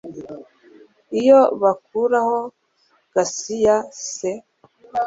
iyo bakuraho gasiya se